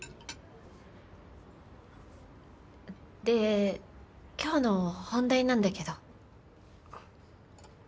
で今日の本題なんだけど。